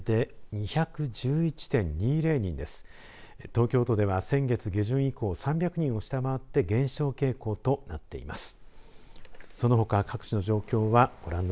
東京都では先月下旬以降３００人を下回って減少傾向となっています。